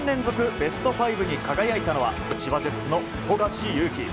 ベストファイブに輝いたのは千葉ジェッツの富樫勇樹。